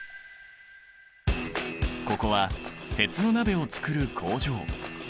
ここは鉄の鍋を作る工場。